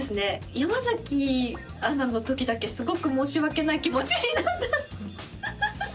山崎アナの時だけすごく申し訳ない気持ちになった。